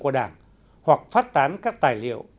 của đảng hoặc phát tán các tài liệu